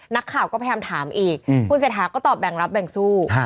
นักข่าวก็แพร่มถามอีกอืมคุณเศรษฐก็ตอบแบ่งรับแบ่งสู้ฮะ